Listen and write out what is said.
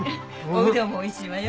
おうどんもおいしいわよ。